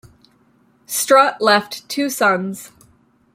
Strutt left two sons.